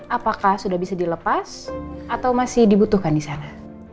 apakah sudah bisa dilepas atau masih dibutuhkan di sana